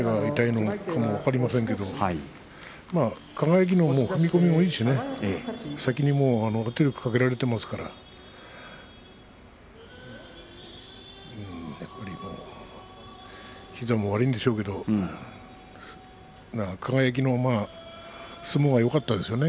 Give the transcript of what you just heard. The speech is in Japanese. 足が痛いのかも分かりませんけれど輝の踏み込みもいいしね先に圧力をかけられていますからやっぱりもう膝も悪いんでしょうけど輝の相撲がよかったですよね